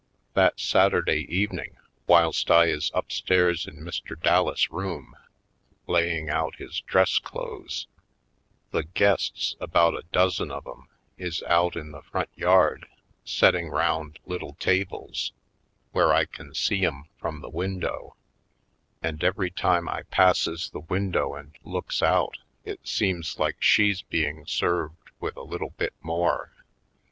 That Saturday evening whilst I is upstairs in Mr. Dallas' room laying out his dress clothes, the guests, about a dozen of 'em is out in the front yard setting round little tables where I can see 'em from the win dow, and every time I passes the window and looks out it seems like she's being served with a little bit more.